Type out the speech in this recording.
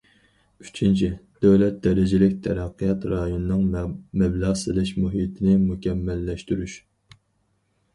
ئۈچىنچى، دۆلەت دەرىجىلىك تەرەققىيات رايونىنىڭ مەبلەغ سېلىش مۇھىتىنى مۇكەممەللەشتۈرۈش.